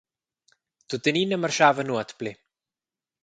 Tuttenina marschava nuot pli.